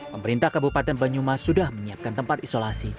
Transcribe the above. pemerintah kabupaten banyumas sudah menyiapkan tempat isolasi